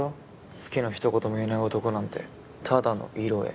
好きのひと言も言えない男なんてただの色営。